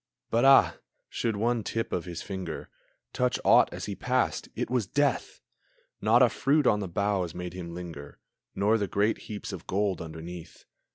But, ah, should one tip of his finger Touch aught as he passed, it was death! Not a fruit on the boughs made him linger, Nor the great heaps of gold underneath.